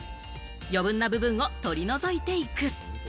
余分な部分を取り除いていく。